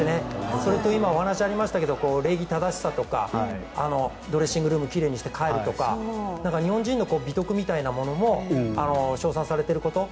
それと今、お話がありましたが礼儀正しさとかドレッシングルームを奇麗にして帰るとか日本人の美徳みたいなものも称賛されていること。